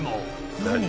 何？